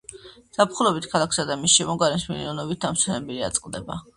ზაფხულობით ქალაქს და მის შემოგარენს მილიონობით დამსვენებელი აწყდება.